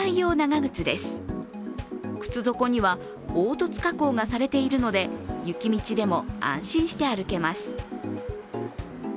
靴底には凹凸加工がされているので、雪道でも安心して歩けます。